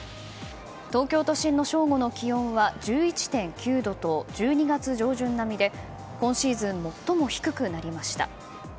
東京都心の正午の気温は１１．９度と１２月上旬並みで今シーズン最も低くなりました。